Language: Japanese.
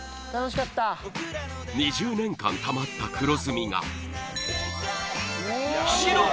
２０年間たまった黒ずみが白く！